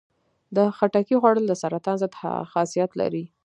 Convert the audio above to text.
د خټکي خوړل د سرطان ضد خاصیت لري.